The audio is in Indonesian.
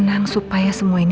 tidak collins iling dengan begini